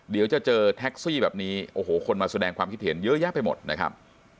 เดี๋ยวจะเจอแท็กซี่แบบนี้โอ้โหคนมาแสดงความคิดเห็นเยอะแยะไปหมดนะครับ